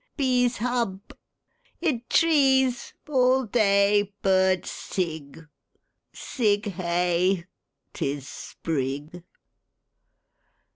Bees hub. Id trees All day Birds sig. Sig Hey! 'Tis Sprig!